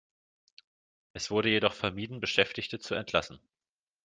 Es wurde jedoch vermieden, Beschäftigte zu entlassen.